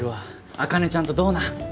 茜ちゃんとどうなん？